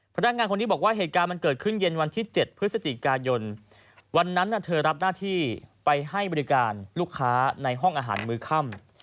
พนักงานคนนี้บอกว่าเหตุการณ์มันเกิดขึ้นเย็นวันที่๗พฤศจิกายนวันนั้นเธอรับหน้าที่ไปให้บริการลูกค้าในห้องอาหารมื้อค่ำ